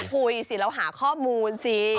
ไม่ต้องคุยสิเราหาข้อมูลสิ